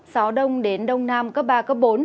gió đông đến đông nam cấp ba bốn